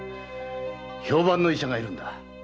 評判の医者がいるんだ。